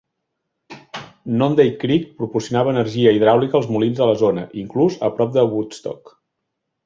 Noonday Creek proporcionava energia hidràulica als molins de la zona, inclús a prop de Woodstock.